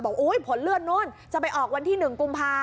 บอกผลเลือดนู่นจะไปออกวันที่๑กุมพา